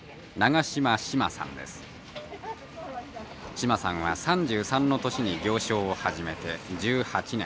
志まさんは３３の年に行商を始めて１８年。